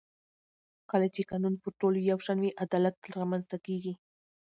کله چې قانون پر ټولو یو شان وي عدالت رامنځته کېږي